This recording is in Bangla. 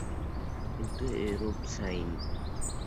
কিন্তু এরূপ সাইন!